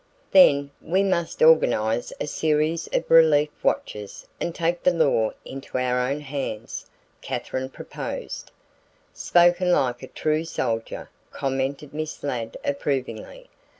"Then we must organize a series of relief watches and take the law into our own hands," Katherine proposed. "Spoken like a true soldier," commented Miss Ladd approvingly.